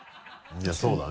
いやそうだね。